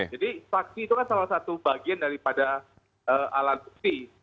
jadi saksi itu kan salah satu bagian daripada alat bukti